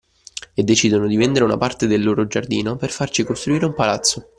E decidono di vendere una parte del loro giardino per farci costruire un palazzo